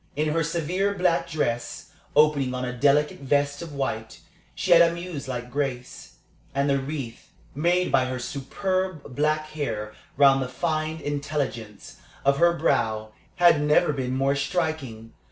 In her severe black dress, opening on a delicate vest of white, she had a muselike grace; and the wreath made by her superb black hair round the fine intelligence of her brow had never been more striking.